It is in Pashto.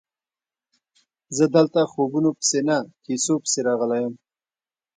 زه دلته خوبونو پسې نه کیسو پسې راغلی یم.